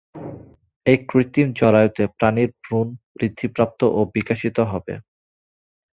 এই কৃত্রিম জরায়ুতে প্রাণীর ভ্রূণ বৃদ্ধিপ্রাপ্ত ও বিকশিত হবে।